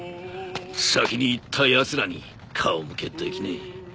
先に逝ったやつらに顔向けできねえ。